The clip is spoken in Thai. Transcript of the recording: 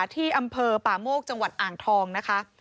ที่อำเภอป่าโมกจังหวัดอ่างทองนะคะ